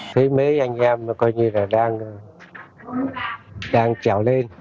thấy mấy anh em coi như là đang trèo lên